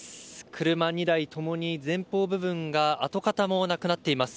車２台共に前方部分が跡形もなくなっています。